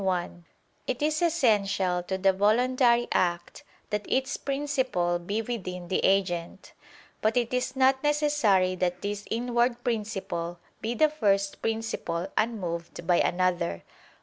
1: It is essential to the voluntary act that its principle be within the agent: but it is not necessary that this inward principle be the first principle unmoved by another.